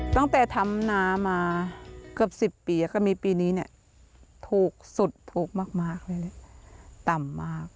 ตั้งแต่ทำนามาเกือบ๑๐ปีแล้วก็มีปีนี้เนี่ยถูกสุดถูกมากเลยต่ำมาก